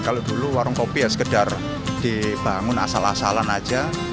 kalau dulu warung kopi ya sekedar dibangun asal asalan aja